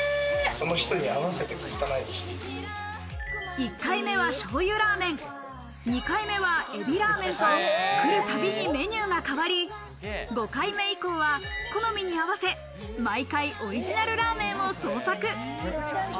１回目は醤油ラーメン、２回目は海老ラーメンと来るたびにメニューが変わり、５回目以降は好みに合わせ毎回オリジナルラーメンを創作。